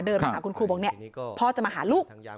มาหาคุณครูบอกเนี่ยพ่อจะมาหาลูก